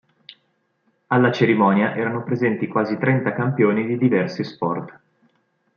Alla cerimonia erano presenti quasi trenta campioni di diversi sport.